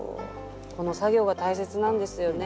この作業が大切なんですよね。